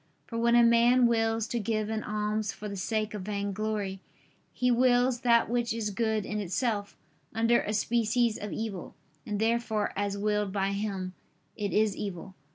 For when a man wills to give an alms for the sake of vainglory, he wills that which is good in itself, under a species of evil; and therefore, as willed by him, it is evil.